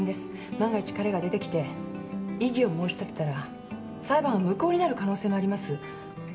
万が一彼が出てきて異議を申し立てたら裁判が無効になる可能性もあります。